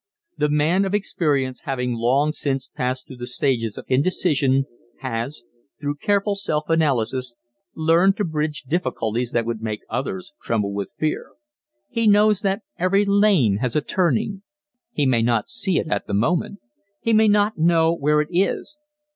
The man of experience having long since passed through the stages of indecision has, through careful self analysis learned to bridge difficulties that would make others tremble with fear. He knows that every lane has a turning. He may not see it at the moment. He may not know where it is.